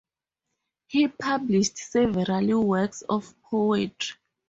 He published several works of poetry.